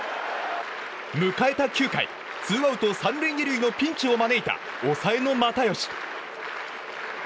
迎えた９回、ツーアウト満塁のピンチを招いた抑えの又吉。